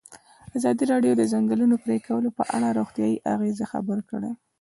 ازادي راډیو د د ځنګلونو پرېکول په اړه د روغتیایي اغېزو خبره کړې.